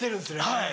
はい！